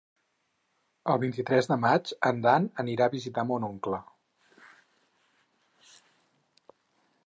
El vint-i-tres de maig en Dan anirà a visitar mon oncle.